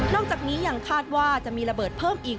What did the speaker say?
จากนี้ยังคาดว่าจะมีระเบิดเพิ่มอีก